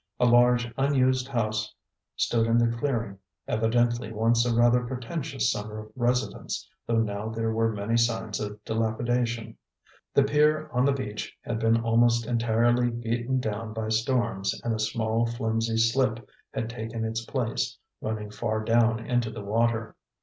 A large unused house stood in a clearing, evidently once a rather pretentious summer residence, though now there were many signs of delapidation. The pier on the beach had been almost entirely beaten down by storms, and a small, flimsy slip had taken its place, running far down into the water.